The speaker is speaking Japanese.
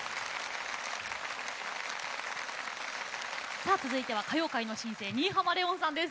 さあ続いては歌謡界の新星新浜レオンさんです。